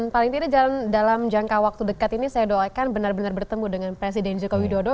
paling tidak dalam jangka waktu dekat ini saya doakan benar benar bertemu dengan presiden joko widodo